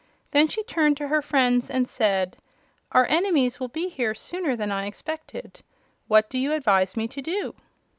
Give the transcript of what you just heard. Then she turned to her friends and said: "Our enemies will be here sooner than I expected. What do you advise me to do?"